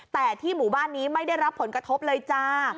แต่ที่หมู่บ้านนี้ไม่ได้รับผลกระทบเลยจ้า